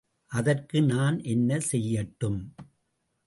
அதற்கு நான் என்ன செய்யட்டும்?